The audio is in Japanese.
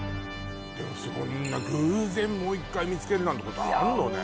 そんな偶然もう一回見つけるなんてことあるのね